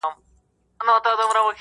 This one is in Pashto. دا دریم کال هم مېله کې مړی وکړ